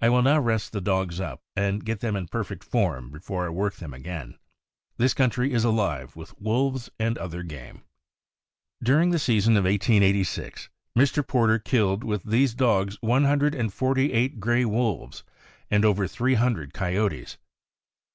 I will now rest the dogs up, and get them in perfect form before I work them again. This country is alive with wolves and other game." During the season of 1886, Mr. Porter killed with these dogs one hundred and forty eight gray wolves and over THE SCOTCH DEERHOUND. 187 three hundred coyotes.